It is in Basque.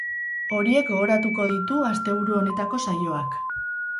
Horiek gogoratuko ditu asteburu honetako saioak.